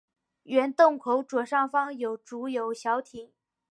原洞口左上方有竹有小亭。